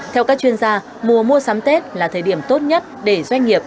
theo các chuyên gia mùa mua sắm tết là thời điểm tốt nhất để doanh nghiệp